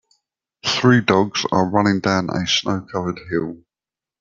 Three dogs are running down a snow covered hill.